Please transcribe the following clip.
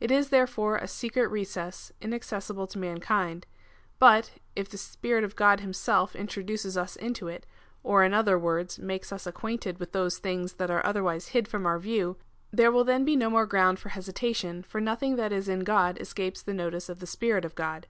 It is, therefore, a secret recess, inaccessible to mankind ; but, if the Spirit of God himself introduces us into it, or in other words, makes us acquainted with those things that are otherwise hid from our view, there will then be no more ground for hesitation, for nothing that is in God escapes the notice of the Spirit of God.